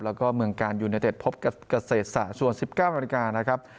แล้วก็เมืองกาลยูเนเต็ดพบกับเกษตรศาสตร์ส่วน๑๙นาฬิกานะครับ